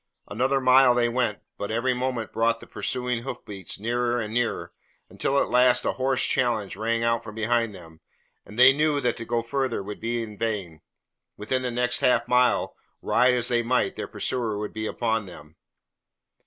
Another mile they went, but every moment brought the pursuing hoof beats nearer and nearer, until at last a hoarse challenge rang out behind them, and they knew that to go farther would be vain; within the next half mile, ride as they might, their pursuer would be upon them.